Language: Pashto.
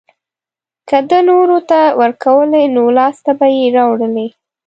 که ده نورو ته ورکولی نو لاسته به يې راوړلی.